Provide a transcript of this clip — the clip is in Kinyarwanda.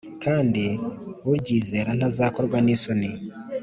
kandi uryizera ntazakorwa n’isoni